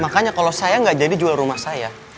makanya kalo saya gak jadi jual rumah saya